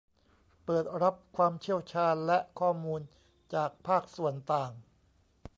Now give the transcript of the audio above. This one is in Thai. เปิดรับความเชี่ยวชาญและข้อมูลจากภาคส่วนต่าง